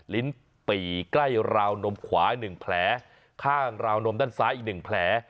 ลิ้นปีแค่ราวนมขวา๑แผลข้างราวนมศักดิ์ซ้ายอีก๑แผล